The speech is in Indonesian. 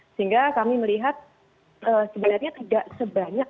sehingga kami melihat sebenarnya tidak sebanyak